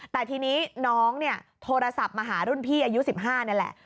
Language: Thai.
แต่ทีนี้น้องเนี่ยโทรศัพท์มาหารุ่นพี่อายุ๑๕นี่แหละ